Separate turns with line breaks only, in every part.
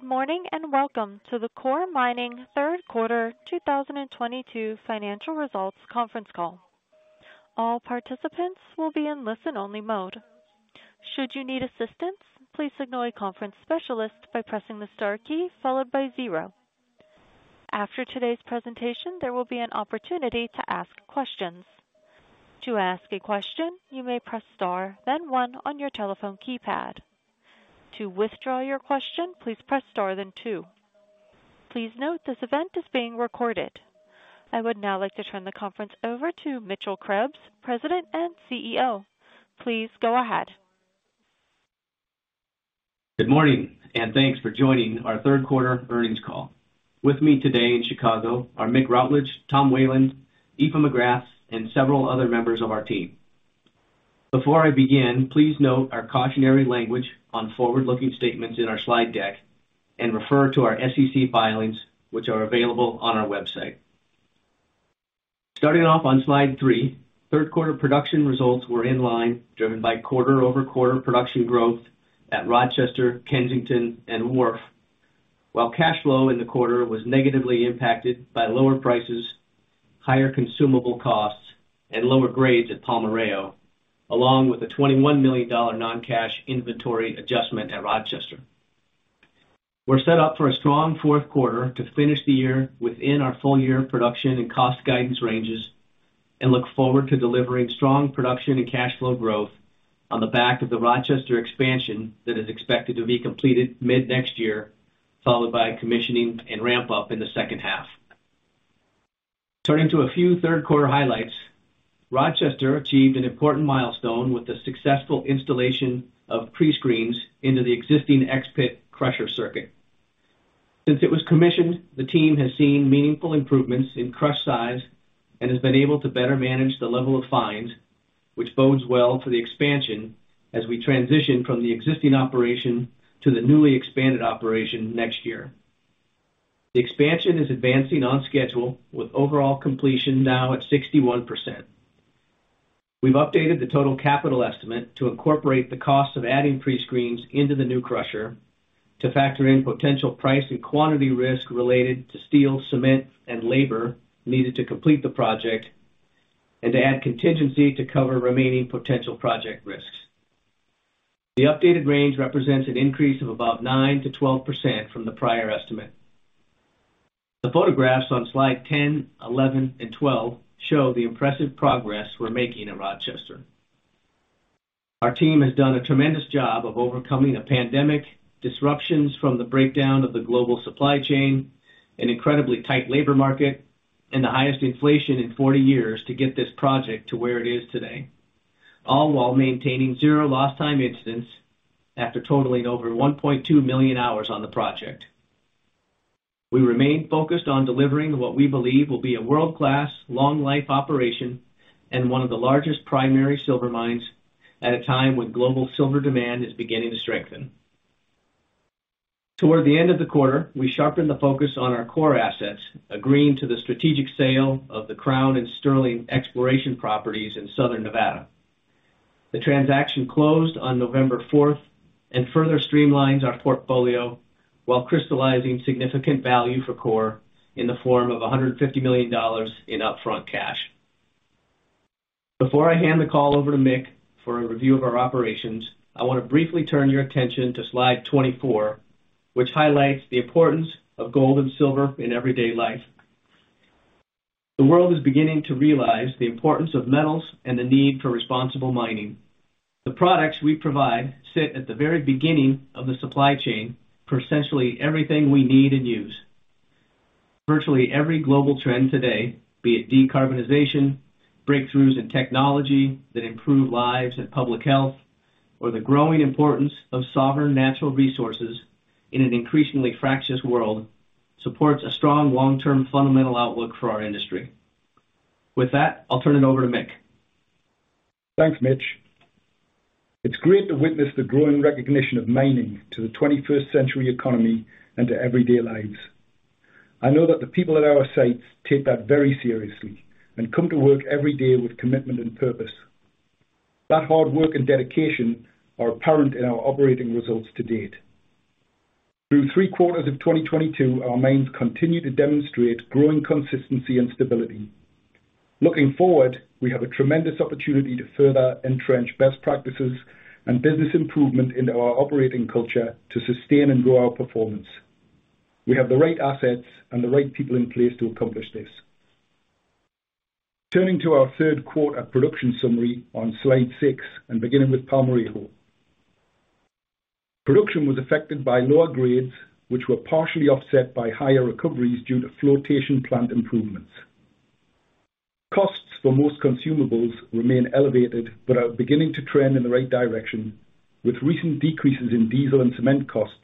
Good morning, and welcome to the Coeur Mining third quarter 2022 financial results conference call. All participants will be in listen-only mode. Should you need assistance, please signal a conference specialist by pressing the star key followed by zero. After today's presentation, there will be an opportunity to ask questions. To ask a question, you may press star then one on your telephone keypad. To withdraw your question, please press star then two. Please note this event is being recorded. I would now like to turn the conference over to Mitchell Krebs, President and CEO. Please go ahead.
Good morning, and thanks for joining our third quarter earnings call. With me today in Chicago are Mick Routledge, Tom Whelan, Aoife McGrath, and several other members of our team. Before I begin, please note our cautionary language on forward-looking statements in our slide deck and refer to our SEC filings, which are available on our website. Starting off on slide three, third quarter production results were in line, driven by quarter-over-quarter production growth at Rochester, Kensington, and Wharf. While cash flow in the quarter was negatively impacted by lower prices, higher consumable costs, and lower grades at Palmarejo, along with a $21 million non-cash inventory adjustment at Rochester. We're set up for a strong fourth quarter to finish the year within our full-year production and cost guidance ranges and look forward to delivering strong production and cash flow growth on the back of the Rochester expansion that is expected to be completed mid-next year, followed by commissioning and ramp up in the second half. Turning to a few third quarter highlights. Rochester achieved an important milestone with the successful installation of pre-screens into the existing ex-pit crusher circuit. Since it was commissioned, the team has seen meaningful improvements in crush size and has been able to better manage the level of fines, which bodes well for the expansion as we transition from the existing operation to the newly expanded operation next year. The expansion is advancing on schedule, with overall completion now at 61%. We've updated the total capital estimate to incorporate the cost of adding pre-screens into the new crusher to factor in potential price and quantity risk related to steel, cement, and labor needed to complete the project, and to add contingency to cover remaining potential project risks. The updated range represents an increase of about 9%-12% from the prior estimate. The photographs on slide 10, 11, and 12 show the impressive progress we're making at Rochester. Our team has done a tremendous job of overcoming a pandemic, disruptions from the breakdown of the global supply chain, an incredibly tight labor market, and the highest inflation in 40 years to get this project to where it is today, all while maintaining 0 lost time incidents after totaling over 1.2 million hours on the project. We remain focused on delivering what we believe will be a world-class long life operation and one of the largest primary silver mines at a time when global silver demand is beginning to strengthen. Toward the end of the quarter, we sharpened the focus on our core assets, agreeing to the strategic sale of the Crown and Sterling exploration properties in Southern Nevada. The transaction closed on November fourth and further streamlines our portfolio while crystallizing significant value for Coeur in the form of $150 million in upfront cash. Before I hand the call over to Mick for a review of our operations, I wanna briefly turn your attention to slide 24, which highlights the importance of gold and silver in everyday life. The world is beginning to realize the importance of metals and the need for responsible mining. The products we provide sit at the very beginning of the supply chain for essentially everything we need and use. Virtually every global trend today, be it decarbonization, breakthroughs in technology that improve lives and public health, or the growing importance of sovereign natural resources in an increasingly fractious world, supports a strong long-term fundamental outlook for our industry. With that, I'll turn it over to Mick.
Thanks, Mitchell. It's great to witness the growing recognition of mining to the 21st century economy and to everyday lives. I know that the people at our sites take that very seriously and come to work every day with commitment and purpose. That hard work and dedication are apparent in our operating results to date. Through 3 quarters of 2022, our mines continue to demonstrate growing consistency and stability. Looking forward, we have a tremendous opportunity to further entrench best practices and business improvement into our operating culture to sustain and grow our performance. We have the right assets and the right people in place to accomplish this. Turning to our third quarter production summary on slide 6 and beginning with Palmarejo. Production was affected by lower grades, which were partially offset by higher recoveries due to flotation plant improvements. Costs for most consumables remain elevated, but are beginning to trend in the right direction, with recent decreases in diesel and cement costs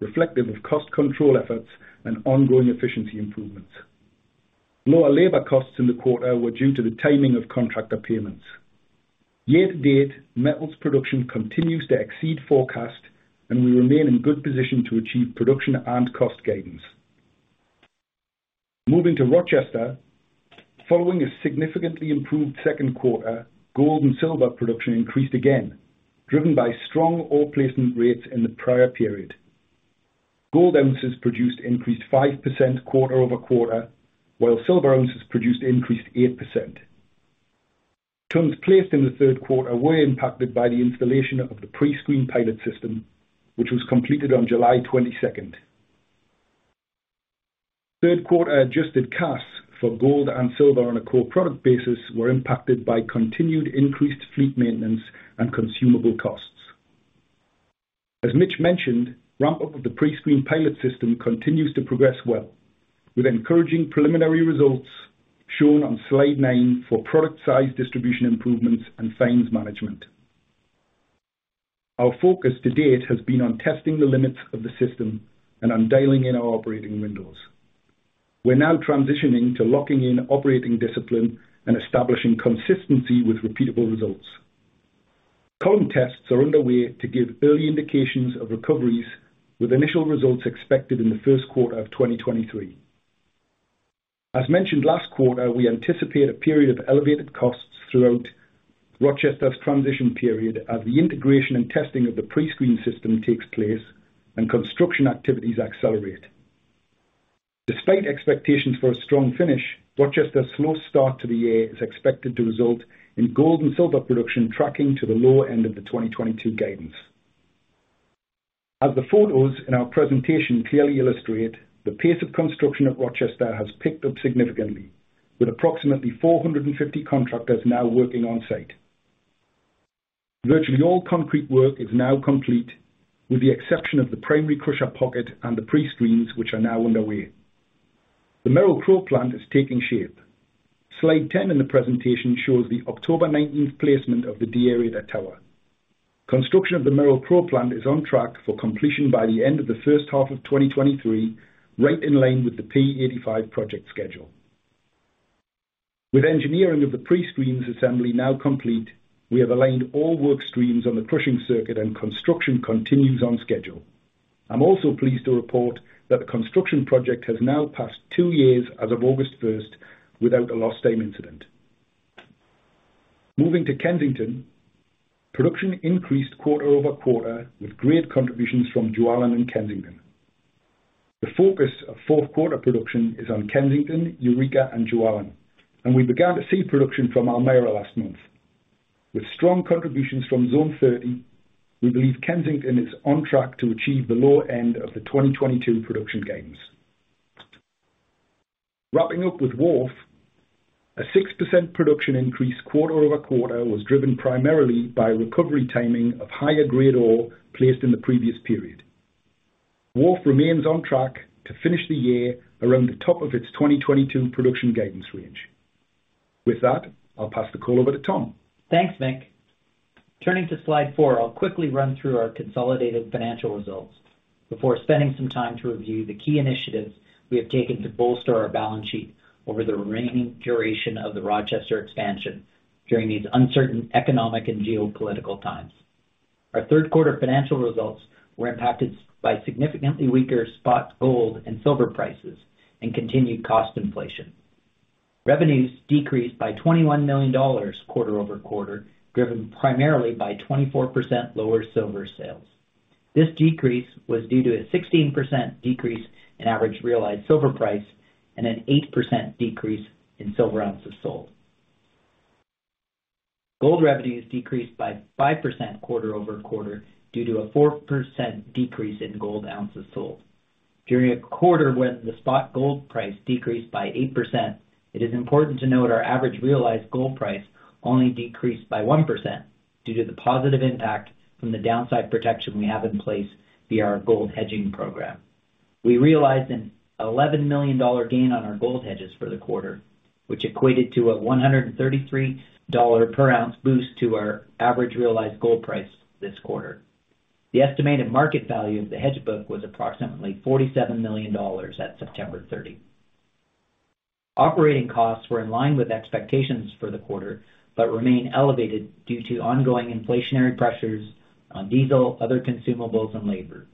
reflective of cost control efforts and ongoing efficiency improvements. Lower labor costs in the quarter were due to the timing of contractor payments. Year to date, metals production continues to exceed forecast, and we remain in good position to achieve production and cost guidance. Moving to Rochester. Following a significantly improved second quarter, gold and silver production increased again, driven by strong ore placement rates in the prior period. Gold ounces produced increased 5% quarter-over-quarter, while silver ounces produced increased 8%. Tons placed in the third quarter were impacted by the installation of the pre-screen pilot system, which was completed on July 22nd. Third quarter adjusted costs for gold and silver on a core product basis were impacted by continued increased fleet maintenance and consumable costs. As Mitch mentioned, ramp-up of the pre-screen pilot system continues to progress well, with encouraging preliminary results shown on slide 9 for product size distribution improvements and fines management. Our focus to date has been on testing the limits of the system and on dialing in our operating windows. We're now transitioning to locking in operating discipline and establishing consistency with repeatable results. Cone tests are underway to give early indications of recoveries, with initial results expected in the first quarter of 2023. As mentioned last quarter, we anticipate a period of elevated costs throughout Rochester's transition period as the integration and testing of the pre-screen system takes place and construction activities accelerate. Despite expectations for a strong finish, Rochester's slow start to the year is expected to result in gold and silver production tracking to the lower end of the 2022 guidance. As the photos in our presentation clearly illustrate, the pace of construction at Rochester has picked up significantly, with approximately 450 contractors now working on-site. Virtually all concrete work is now complete, with the exception of the primary crusher pocket and the pre-screens, which are now underway. The Merrill-Crowe plant is taking shape. Slide 10 in the presentation shows the October nineteenth placement of the deaerator tower. Construction of the Merrill-Crowe plant is on track for completion by the end of the first half of 2023, right in line with the P85 project schedule. With engineering of the pre-screens assembly now complete, we have aligned all work streams on the crushing circuit and construction continues on schedule. I'm also pleased to report that the construction project has now passed two years as of August first without a lost time incident. Moving to Kensington, production increased quarter-over-quarter, with great contributions from Jualin and Kensington. The focus of fourth quarter production is on Kensington, Eureka and Jualin, and we began to see production from Elmira last month. With strong contributions from Zone 30, we believe Kensington is on track to achieve the lower end of the 2022 production guidance. Wrapping up with Wharf, a 6% production increase quarter-over-quarter was driven primarily by recovery timing of higher-grade ore placed in the previous period. Wharf remains on track to finish the year around the top of its 2022 production guidance range. With that, I'll pass the call over to Tom.
Thanks, Mitchell Krebs. Turning to slide 4, I'll quickly run through our consolidated financial results before spending some time to review the key initiatives we have taken to bolster our balance sheet over the remaining duration of the Rochester expansion during these uncertain economic and geopolitical times. Our third quarter financial results were impacted by significantly weaker spot gold and silver prices and continued cost inflation. Revenues decreased by $21 million quarter-over-quarter, driven primarily by 24% lower silver sales. This decrease was due to a 16% decrease in average realized silver price and an 8% decrease in silver ounces sold. Gold revenues decreased by 5% quarter-over-quarter due to a 4% decrease in gold ounces sold. During a quarter when the spot gold price decreased by 8%, it is important to note our average realized gold price only decreased by 1% due to the positive impact from the downside protection we have in place via our gold hedging program. We realized an $11 million gain on our gold hedges for the quarter, which equated to a $133 per ounce boost to our average realized gold price this quarter. The estimated market value of the hedge book was approximately $47 million at September 30. Operating costs were in line with expectations for the quarter, but remain elevated due to ongoing inflationary pressures on diesel, other consumables and labor.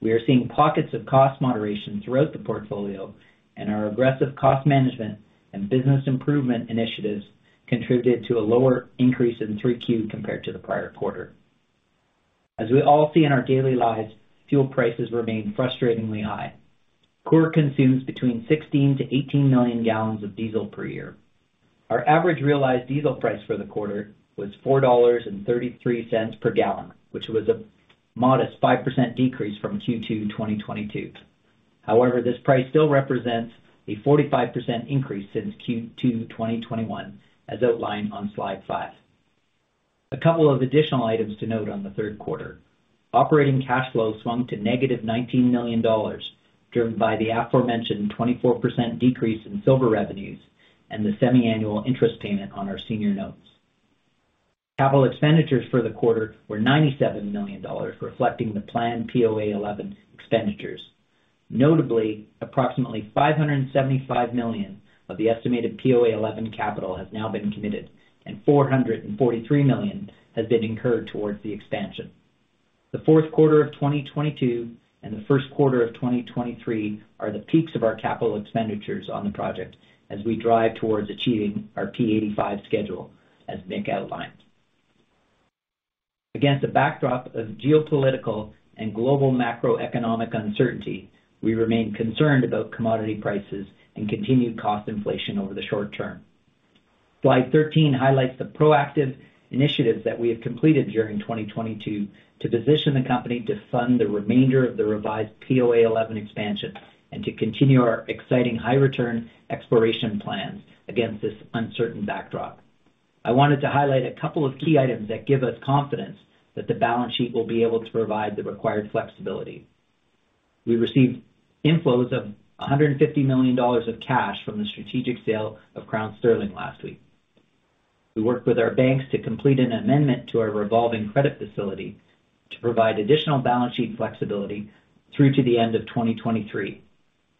We are seeing pockets of cost moderation throughout the portfolio, and our aggressive cost management and business improvement initiatives contributed to a lower increase in Q3 compared to the prior quarter. As we all see in our daily lives, fuel prices remain frustratingly high. Coeur consumes between 16-18 million gallons of diesel per year. Our average realized diesel price for the quarter was $4.33 per gallon, which was a modest 5% decrease from Q2 2022. However, this price still represents a 45% increase since Q2 2021, as outlined on slide 5. A couple of additional items to note on the third quarter. Operating cash flow swung to -$19 million, driven by the aforementioned 24% decrease in silver revenues and the semiannual interest payment on our senior notes. Capital expenditures for the quarter were $97 million, reflecting the planned POA 11 expenditures. Notably, approximately $575 million of the estimated POA 11 capital has now been committed, and $443 million has been incurred towards the expansion. The fourth quarter of 2022 and the first quarter of 2023 are the peaks of our capital expenditures on the project as we drive towards achieving our P85 schedule, as Mick outlined. Against a backdrop of geopolitical and global macroeconomic uncertainty, we remain concerned about commodity prices and continued cost inflation over the short term. Slide 13 highlights the proactive initiatives that we have completed during 2022 to position the company to fund the remainder of the revised POA 11 expansion and to continue our exciting high return exploration plans against this uncertain backdrop. I wanted to highlight a couple of key items that give us confidence that the balance sheet will be able to provide the required flexibility. We received inflows of $150 million of cash from the strategic sale of Crown Sterling last week. We worked with our banks to complete an amendment to our revolving credit facility to provide additional balance sheet flexibility through to the end of 2023.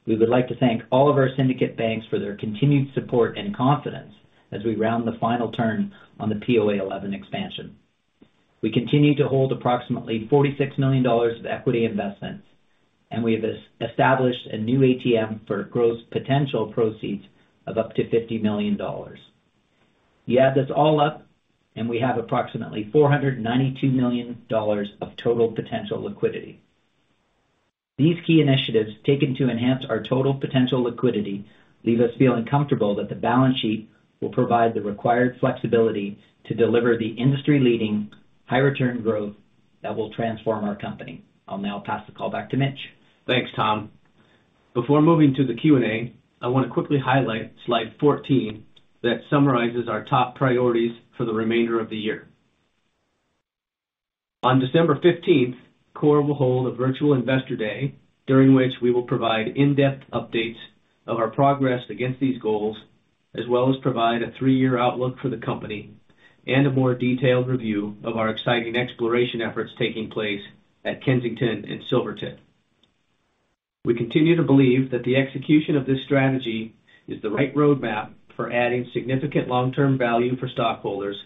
We would like to thank all of our syndicate banks for their continued support and confidence as we round the final turn on the POA11 expansion. We continue to hold approximately $46 million of equity investments, and we have established a new ATM for gross potential proceeds of up to $50 million. You add this all up, and we have approximately $492 million of total potential liquidity. These key initiatives taken to enhance our total potential liquidity leave us feeling comfortable that the balance sheet will provide the required flexibility to deliver the industry-leading high return growth that will transform our company. I'll now pass the call back to Mitch.
Thanks, Tom. Before moving to the Q&A, I wanna quickly highlight slide 14 that summarizes our top priorities for the remainder of the year. On December fifteenth, Coeur will hold a virtual investor day, during which we will provide in-depth updates of our progress against these goals, as well as provide a three-year outlook for the company and a more detailed review of our exciting exploration efforts taking place at Kensington and Silvertip. We continue to believe that the execution of this strategy is the right roadmap for adding significant long-term value for stockholders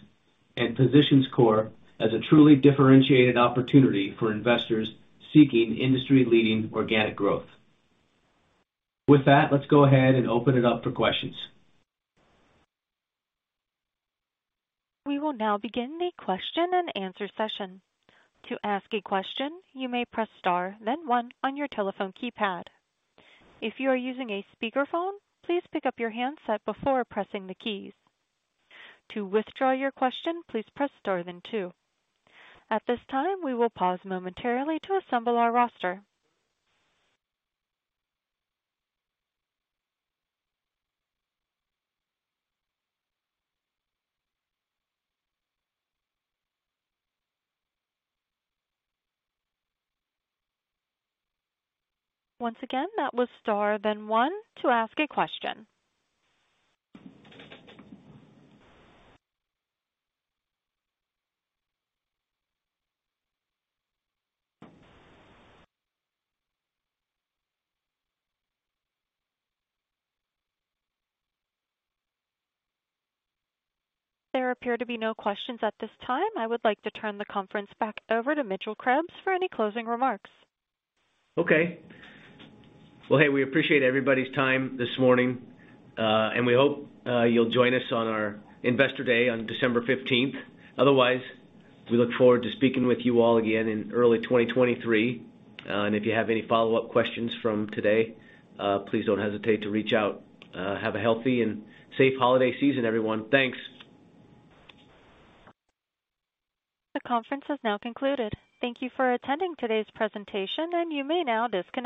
and positions Coeur as a truly differentiated opportunity for investors seeking industry-leading organic growth. With that, let's go ahead and open it up for questions.
We will now begin the question and answer session. To ask a question, you may press star then one on your telephone keypad. If you are using a speakerphone, please pick up your handset before pressing the keys. To withdraw your question, please press star then two. At this time, we will pause momentarily to assemble our roster. Once again, that was star then one to ask a question. There appear to be no questions at this time. I would like to turn the conference back over to Mitchell Krebs for any closing remarks.
Okay. Well, hey, we appreciate everybody's time this morning, and we hope you'll join us on our investor day on December fifteenth. Otherwise, we look forward to speaking with you all again in early 2023. If you have any follow-up questions from today, please don't hesitate to reach out. Have a healthy and safe holiday season, everyone. Thanks.
The conference has now concluded. Thank you for attending today's presentation, and you may now disconnect.